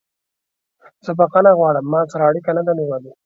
زه بخښنه غواړم ما سره اړیکه نه ده نیولې.